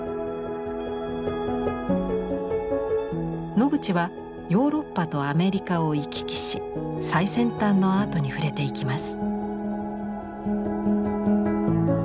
ノグチはヨーロッパとアメリカを行き来し最先端のアートに触れていきます。